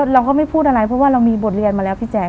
เราก็ไม่พูดอะไรเพราะว่าเรามีบทเรียนมาแล้วพี่แจ๊